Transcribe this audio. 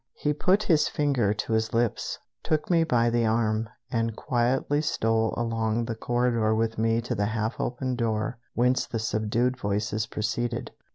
He put his finger to his lips, took me by the arm, and quietly stole along the corridor with me to the half open door whence the subdued voices proceeded.